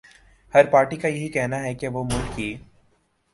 ہر party کایہی کہنا ہے کہ وہ ملک کی